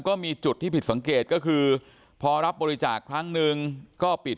ก็มีจุดที่ผิดสังเกตก็คือพอรับบริจาคครั้งหนึ่งก็ปิด